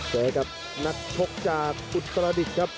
เจอกับนักชกจากอุตรดิษฐ์ครับ